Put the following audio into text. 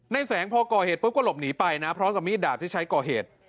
แสงพอก่อเหตุปุ๊บก็หลบหนีไปนะพร้อมกับมีดดาบที่ใช้ก่อเหตุ